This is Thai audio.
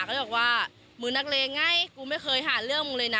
ก็เลยบอกว่ามึงนักเลงไงกูไม่เคยหาเรื่องมึงเลยนะ